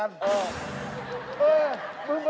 มึงไปซื้ออะไร